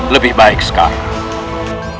lebih baik sekarang